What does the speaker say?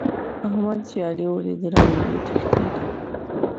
احمد چې علي وليد؛ رنګ يې وتښتېد.